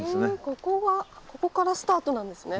ここがここからスタートなんですね。